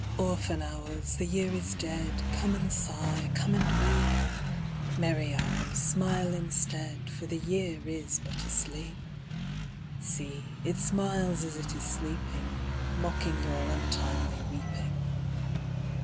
Orphan Hours, the Year is dead, Come and sigh, come and weep! Merry Hours, smile instead, For the Year is but asleep. See, it smiles as it is sleeping, _5 Mocking your untimely weeping.